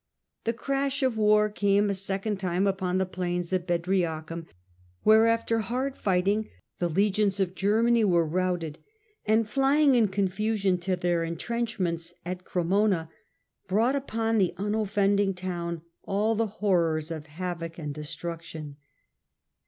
The crash of war came a ^^ second time upon the plains of Bedriacum, battle of where, after hard fighting, the legions of Ger J^edriacum. many were routed, and flying in confusion to their en trenchments at Cremona, brought upon the unoffending town all the horrors of havoc and destruction.